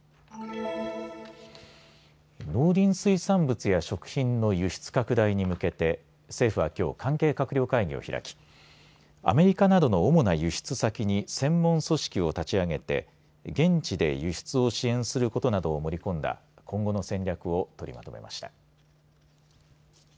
農林水産物や食品の輸出拡大に向けて政府はきょう関係閣僚会議を開きアメリカなどの主な輸出先に専門組織を立ち上げて現地で輸出を支援することなどを盛り込んだ今後の戦略を取りまとめました。